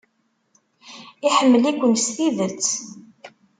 Iḥemmel-iken s tidet.